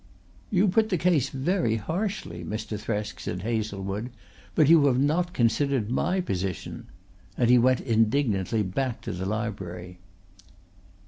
"You put the case very harshly, Mr. Thresk," said Hazlewood. "But you have not considered my position," and he went indignantly back to the library.